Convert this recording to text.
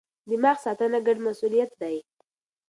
دماغ ساتنه ګډ مسئولیت دی.